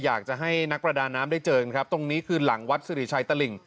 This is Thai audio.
อยากจะให้นักประดาน้ำได้เจอกันครับตรงนี้คือหลังวัดสิริชัยตลิ่ง